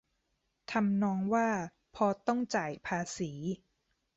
ทำนองว่า พอต้องจ่ายภาษี